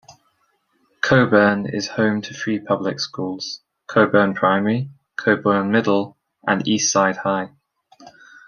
Coeburn is home to three public schools: Coeburn Primary, Coeburn Middle, and Eastside High.